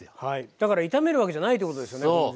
だから炒めるわけじゃないってことですよね。